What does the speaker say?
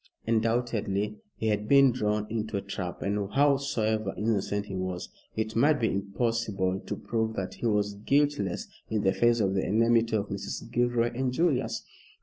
Undoubtedly he had been drawn into a trap, and howsoever innocent he was, it might be impossible to prove that he was guiltless in the face of the enmity of Mrs. Gilroy and Julius.